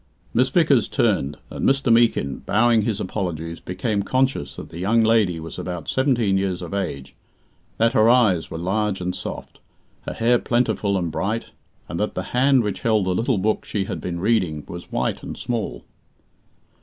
Miss Vickers turned, and Mr. Meekin, bowing his apologies, became conscious that the young lady was about seventeen years of age, that her eyes were large and soft, her hair plentiful and bright, and that the hand which held the little book she had been reading was white and small.